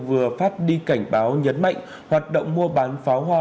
vừa phát đi cảnh báo nhấn mạnh hoạt động mua bán pháo hoa